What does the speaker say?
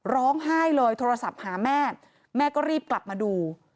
ร้องไห้เลยโทรศัพท์หาแม่แม่ก็รีบกลับมาดู